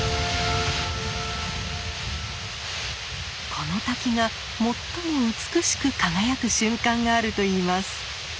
この滝が最も美しく輝く瞬間があるといいます。